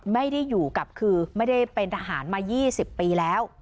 ไม่ได้อยู่กับคือไม่ได้เป็นทหารมา๒๐ปีแล้ว